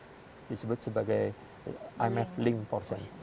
ada yang disebut sebagai imf link portion